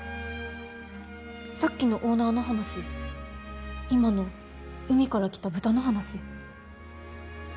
さっきのオーナーの話今の海から来た豚の話何か。